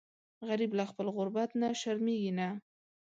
غریب له خپل غربت نه شرمیږي نه